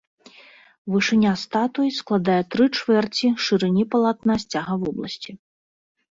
Вышыня статуі складае тры чвэрці шырыні палатна сцяга вобласці.